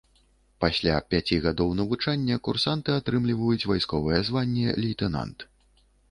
Пасля пяці гадоў навучання курсанты атрымліваюць вайсковае званне лейтэнант.